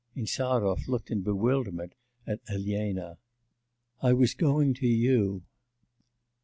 Insarov looked in bewilderment at Elena. 'I was going to you.